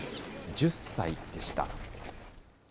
１０歳でした。